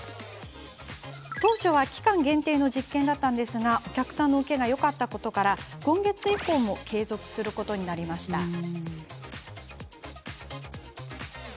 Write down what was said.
当初は、期間限定の実験でしたがお客さんのウケがよかったことから、今月以降も継続することになりました。